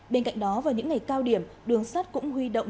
bên cạnh đó vào những ngày cao điểm đường sắt cũng huy động